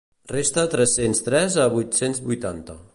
Resta tres-cents tres a vuit-cents vuitanta.